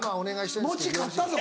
餅勝ったぞ。